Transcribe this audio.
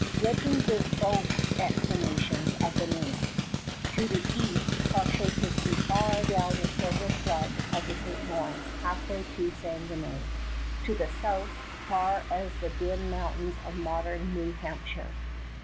Legend gives both explanations of the name. To the east Cartier could see far down the silver flood of the St. Lawrence halfway to Saguenay; to the south, far as the dim mountains of modern New Hampshire.